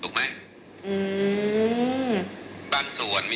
ถูกไหม